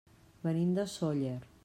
Venim de Sóller.